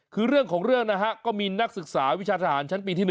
คือเรื่องของเรื่องนะฮะก็มีนักศึกษาวิชาทหารชั้นปีที่๑